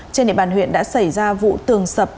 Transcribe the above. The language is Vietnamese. trên địa bàn huyện đã xảy ra vụ tường sập